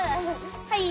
はい。